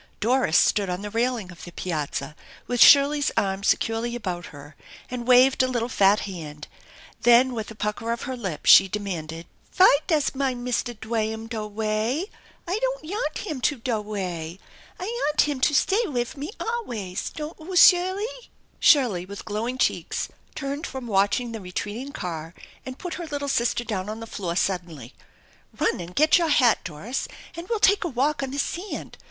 Doris stood on the railing of the piazza with Shirley's arm securely about her and waved a little fat hand; then with a pucker of her lip she demanded: "Fy does mine Mister Dwaham do way? I don't yanl him to do way. I yant him to stay wif me aw ways, don't oo, Sirley?" Shirley with glowing cheeks turned from watching the retreating car and put her little sister down on the floor suddenly. " Run get your hat, Doris, and we'll take a walk on the eand